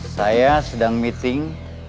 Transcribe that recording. saya sedang meeting